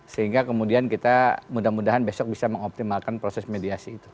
sehingga kemudian kita mudah mudahan besok bisa mengoptimalkan proses mediasi itu